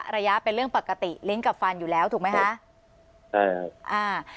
ระยะเป็นเรื่องปกติลิ้นกับฟันอยู่แล้วถูกไหมคะใช่ครับอ่า